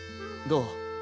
どう？